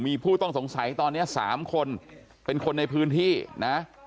มีผู้ต้องสงสัยตอนนี้๓คนเป็นคนในพื้นที่นะ